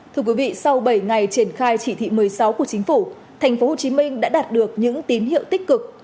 thưa quý vị sau bảy ngày triển khai chỉ thị một mươi sáu của chính phủ thành phố hồ chí minh đã đạt được những tín hiệu tích cực